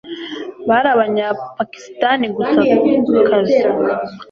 bari abanyapakisitanikazi gusa